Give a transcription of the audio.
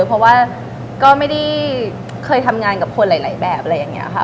เพราะว่าก็ไม่ได้เคยทำงานกับคนหลายแบบอะไรอย่างนี้ค่ะ